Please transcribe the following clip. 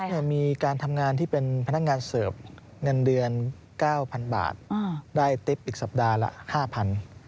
ฟอสเนี่ยมีการทำงานที่เป็นพนักงานเสิร์ฟเงินเดือน๙๐๐๐บาทได้อาทิตย์อีกสัปดาห์ละ๕๐๐๐